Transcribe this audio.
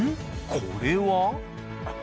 これは？